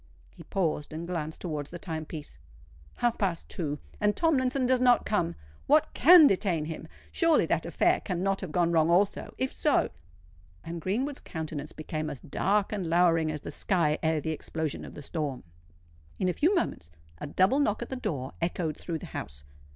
He paused and glanced towards the time piece. "Half past two; and Tomlinson does not come! What can detain him? Surely that affair cannot have gone wrong also? If so——" And Greenwood's countenance became as dark and lowering as the sky ere the explosion of the storm. In a few moments a double knock at the door echoed through the house.